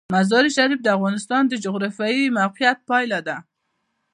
مزارشریف د افغانستان د جغرافیایي موقیعت پایله ده.